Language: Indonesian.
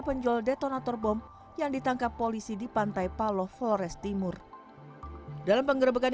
penjual detonator bom yang ditangkap polisi di pantai paloh flores timur dalam penggerebekan